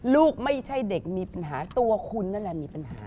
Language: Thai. ลูกไม่ใช่เด็กมีปัญหาตัวคุณนั่นแหละมีปัญหา